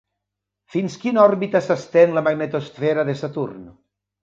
Fins quina òrbita s'estén la magnetosfera de Saturn?